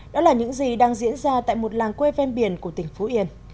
đó là những gì đang diễn ra tại một làng quê ven biển của tỉnh phú yên